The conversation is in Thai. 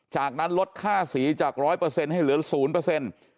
จากนั้นลดค่าสีจากร้อยเปอร์เซ็นต์ให้เหลือศูนย์เปอร์เซ็นต์